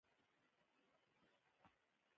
پیشنھاد د څه لپاره دی؟